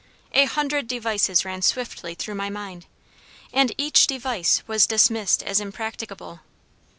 A hundred devices ran swiftly through my mind, and each device was dismissed as impracticable.